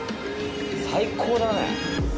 最高だね。